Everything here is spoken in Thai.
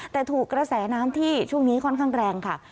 แต่ถูกกระแสน้ำที่ช่วงนี้ค่อนข้างแรงค่ะ